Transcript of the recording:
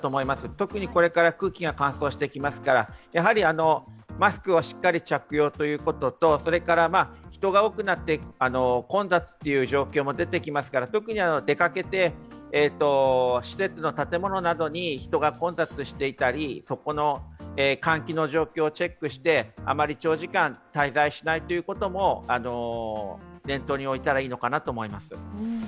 特にこれから空気が乾燥してきますからマスクをしっかり着用ということと人が多くなって混雑という状況も出てきますから特に出かけて、施設の建物などに人が混雑していたりそこの換気の状況をチェックしてあまり長時間滞在しないということも念頭に置いたらいいのかなと思います。